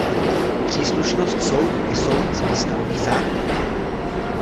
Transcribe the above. Příslušnost soudu i soudce stanoví zákon.